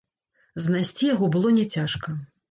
Знайсці яго было не цяжка.